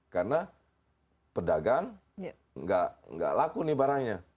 karena pedagang nggak laku nih barangnya